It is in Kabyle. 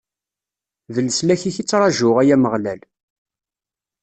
D leslak-ik i ttṛaǧuɣ, ay Ameɣlal!